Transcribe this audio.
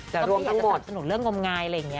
จะรวมทั้งหมด